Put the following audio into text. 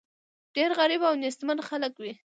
ډېر غریب او نېستمن خلک وي.